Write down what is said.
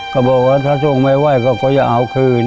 ก็บอกว่าถ้าส่งไม่ไว้ก็อย่าเอาคืน